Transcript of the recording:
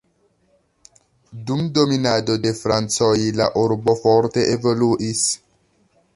Dum dominado de francoj la urbo forte evoluis.